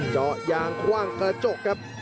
เจาะยางคว่างกระจกครับ